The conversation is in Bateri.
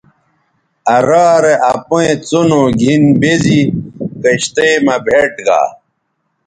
آ رارے اپئیں څنو گِھن بے زی کشتئ مہ بھئیٹ گا